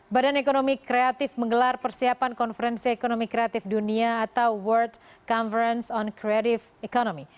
badan ekonomi kreatif menggelar persiapan konferensi ekonomi kreatif dunia atau world conference on creative economy